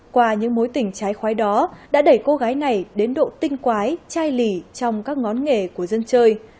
qua những mối tình trái khoái đó đã đẩy cô gái này đến độ tinh quái trai lì trong các ngón nghề của dân chơi